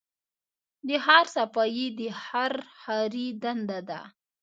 د ښار صفايي د هر ښاري دنده ده.